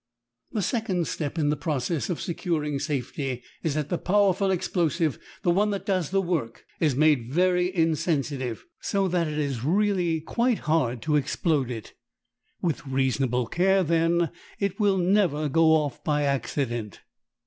The second step in the process of securing safety is that the powerful explosive, the one that does the work, is made very insensitive, so that it is really quite hard to explode it. With reasonable care, then, it will never go off by accident.